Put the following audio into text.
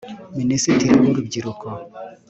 Minisitiri w’Urubyiruko